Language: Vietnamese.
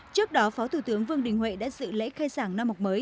trước đó phó thủ tướng vương đình huệ đã dự lễ khai giảng năm học mới